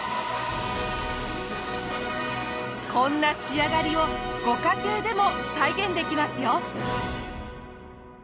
こんな仕上がりをご家庭でも再現できますよ。